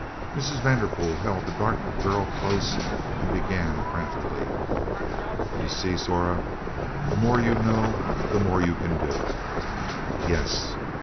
Mrs. Vanderpool held the dark girl close and began craftily: "You see, Zora, the more you know the more you can do." "Yes."